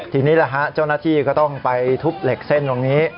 ทีนี้แหละฮะเจ้าหน้าที่ก็ต้องไปทุบเหล็กเส้นตรงนี้